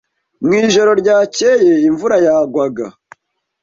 Mu ijoro ryakeye imvura yagwaga.